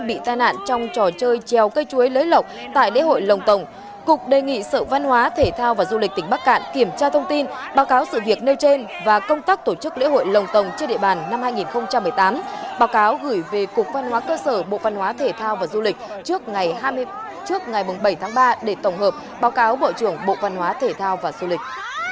bộ văn hóa thể thao và du lịch tỉnh bắc cạn kiểm tra thông tin báo cáo sự việc nêu trên và công tác tổ chức lễ hội lồng tồng trên địa bàn năm hai nghìn một mươi tám báo cáo gửi về cục văn hóa cơ sở bộ văn hóa thể thao và du lịch trước ngày bảy tháng ba để tổng hợp báo cáo bộ trưởng bộ văn hóa thể thao và du lịch